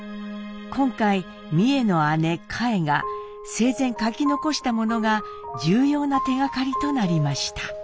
今回美惠の姉佳惠が生前書き残したものが重要な手がかりとなりました。